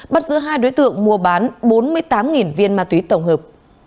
bắt giữ hai đối tượng mua bán bốn mươi tám viên ma túy tổng hợp